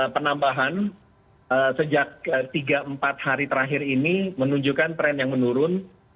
penambahan sejak tiga empat hari terakhir ini menunjukkan tren yang menurun